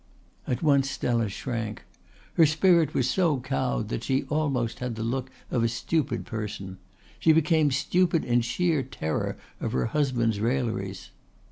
At once Stella shrank. Her spirit was so cowed that she almost had the look of a stupid person; she became stupid in sheer terror of her husband's railleries.